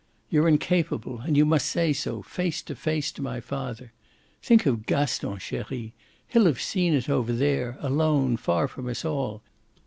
You're incapable, and you must say so, face to face, to my father. Think of Gaston, cherie; HE'LL have seen it over there, alone, far from us all.